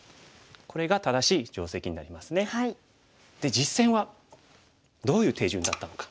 実戦はどういう手順だったのか。